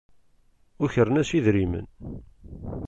Ukren-as idrimen.